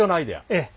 ええ。